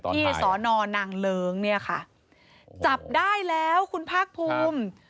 สอนอนางเลิ้งเนี่ยค่ะจับได้แล้วคุณภาคภูมิ